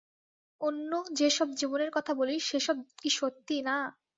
অন্য যে-সব জীবনের কথা বলি, সে-সব কি সত্যি, না।